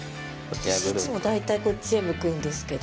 私いつも大体こっちへ向くんですけど。